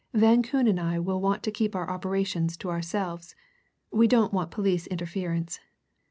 Van Koon and I will want to keep our operations to ourselves. We don't want police interference.